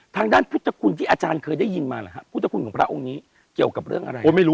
ทางด้านพุทธคุณที่อาจารย์เคยได้ยินมาหรือฮะพุทธคุณของพระองค์นี้เกี่ยวกับเรื่องอะไรไม่รู้